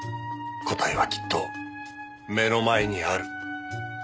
答えはきっと目の前にある。